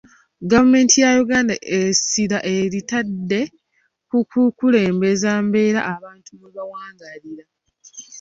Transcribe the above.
Gavumenti ya Uganda essira eritadde ku kukulembeza mbeera abantu mwe bawangaalira.